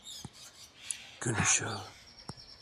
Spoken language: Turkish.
Gün ışığı.